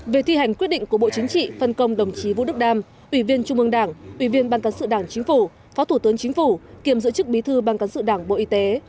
về thi hành quyết định của bộ chính trị phân công đồng chí vũ đức đam ủy viên trung ương đảng ủy viên ban cán sự đảng chính phủ phó thủ tướng chính phủ kiềm giữ chức bí thư ban cán sự đảng bộ y tế